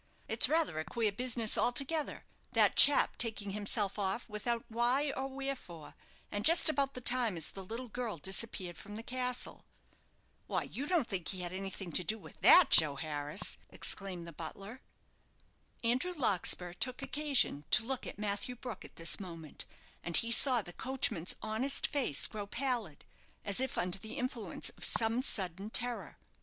"It's rather a queer business altogether, that chap taking himself off without why or wherefore, and just about the time as the little girl disappeared from the castle." "Why, you don't think he had anything to do with that, Joe Harris?" exclaimed the butler. Andrew Larkspur took occasion to look at Matthew Brook at this moment; and he saw the coachman's honest face grow pallid, as if under the influence of some sudden terror.